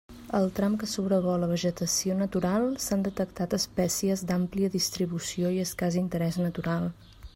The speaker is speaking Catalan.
Al tram que sobrevola vegetació natural, s'han detectat espècies d'àmplia distribució i escàs interés natural.